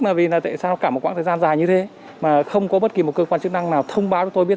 tại vì tại sao cả một khoảng thời gian dài như thế mà không có bất kỳ một cơ quan chức năng nào thông báo cho tôi biết